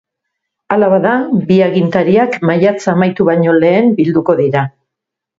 Hala bada, bi agintariak maiatza amaitu baino lehen bilduko dira.